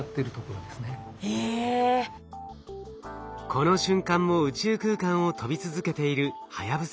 この瞬間も宇宙空間を飛び続けているはやぶさ２。